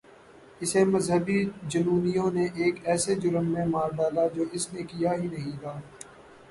اسے مذہبی جنونیوں نے ایک ایسے جرم میں مار ڈالا جو اس نے کیا ہی نہیں تھا۔